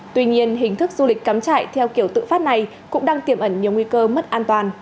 tuy nhiên hình thức du lịch cắm chạy theo kiểu tự phát này cũng đang tiềm ẩn nhiều nguy cơ mất an toàn